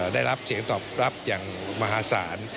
ได้รับเสียงตอบรับอย่างมหาศาล